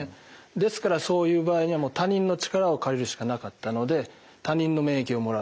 ですからそういう場合には他人の力を借りるしかなかったので他人の免疫をもらう。